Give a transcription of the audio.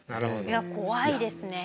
いや怖いですね。